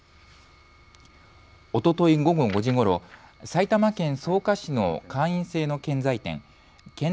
おととい午後５時ごろ、埼玉県草加市の会員制の建材店建